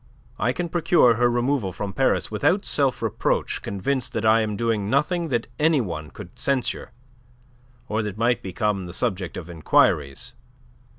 I can procure her removal from Paris without self reproach, convinced that I am doing nothing that any one could censure, or that might become the subject of enquiries.